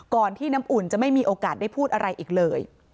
ที่น้ำอุ่นจะไม่มีโอกาสได้พูดอะไรอีกเลย